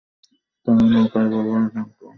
তারা নৌকার ব্যবহার জানত।